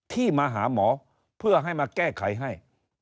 ที่มาหาหมอเพื่อให้มาแก้ไขให้